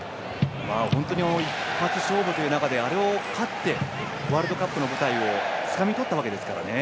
本当に一発勝負という中であれを勝ってワールドカップの舞台をつかみとったわけですからね。